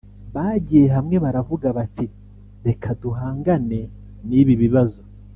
bagiye hamwe baravuga bati reka duhangane n’ibi bibazo